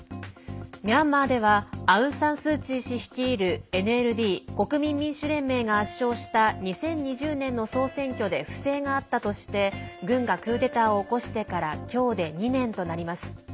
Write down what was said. ミャンマーではアウン・サン・スー・チー氏率いるＮＬＤ＝国民民主連盟が圧勝した２０２０年の総選挙で不正があったとして軍がクーデターを起こしてから今日で２年となります。